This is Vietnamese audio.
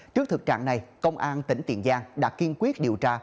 trước thực trạng này công an tỉnh tiền giang đã kiên quyết điều tra